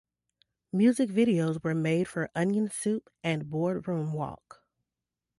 Music videos were made for "Onion Soup" and "Boardroom Walk".